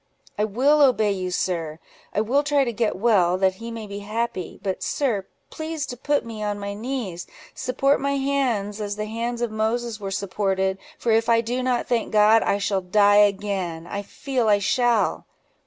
"I will obey you, sir; I will try to get well, that he may be happy: but, sir, please to put me on my knees: support my hands, as the hands of Moses were supported, for if I do not thank God, I shall die again—I feel I shall."